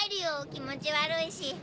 気持ち悪いし。